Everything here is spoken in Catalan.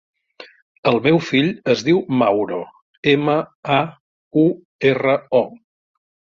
El meu fill es diu Mauro: ema, a, u, erra, o.